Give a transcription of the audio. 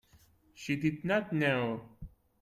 She did not know.